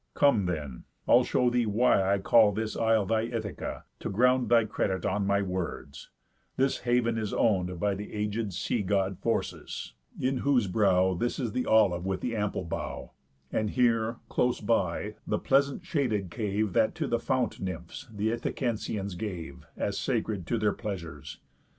Come then, I'll show thee why I call this isle thy Ithaca, to ground Thy credit on my words: This haven is own'd By th' agéd sea god Phorcys, in whose brow This is the olive with the ample bough, And here, close by, the pleasant shaded cave That to the Fount Nymphs th' Ithacensians gave, As sacred to their pleasures.